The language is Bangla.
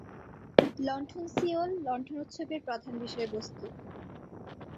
লণ্ঠন সিওল লণ্ঠন উৎসবের প্রধান বিষয়বস্তু।